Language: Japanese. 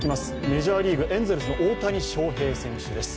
メジャーリーグ、エンゼルスの大谷翔平選手です。